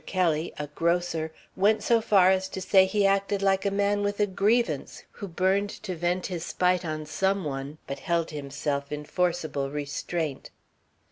Kelly, a grocer, went so far as to say he acted like a man with a grievance who burned to vent his spite on some one, but held himself in forcible restraint.